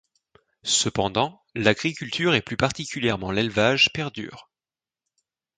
Cependant, l'agriculture et plus particulièrement l'élevage perdurent.